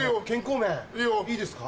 いいですか。